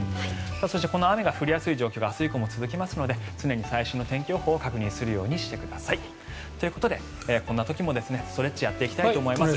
そしてこの雨が降りやすい状況が明日以降も続きますので常に最新の天気予報を確認するようにしてください。ということで、こんな時もストレッチをやっていきたいと思います。